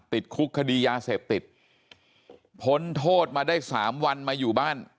ติดคุกคดียาเสพติดพ้นโทษมาได้สามวันมาอยู่บ้าน